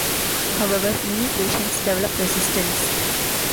However, many patients develop resistance.